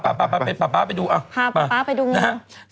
ป๊าป๊ามาแบบถ่ายป๊าไปดูงู